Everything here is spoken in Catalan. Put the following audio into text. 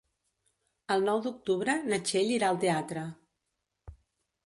El nou d'octubre na Txell irà al teatre.